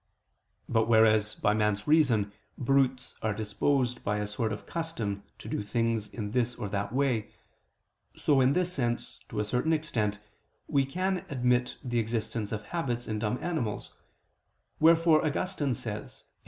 But whereas by man's reason brutes are disposed by a sort of custom to do things in this or that way, so in this sense, to a certain extent, we can admit the existence of habits in dumb animals: wherefore Augustine says (QQ.